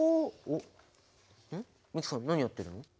美樹さん何やってるの？